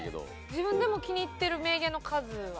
自分でも気に入ってる名言の数は？